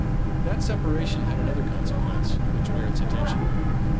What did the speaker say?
That separation had another consequence, which merits attention.